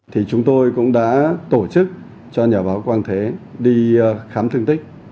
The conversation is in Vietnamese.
thì chúng tôi cũng đã tổ chức cho nhà báo quang thế đi khám thương tích